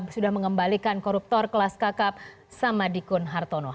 sudah mengembalikan koruptor kelas kakap samadikun hartono